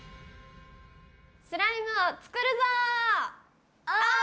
スライムを作るぞ！